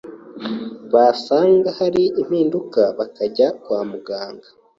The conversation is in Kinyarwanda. basanga hari impinduka bakajya kwa muganga